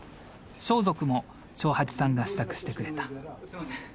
装束も長八さんが支度してくれた。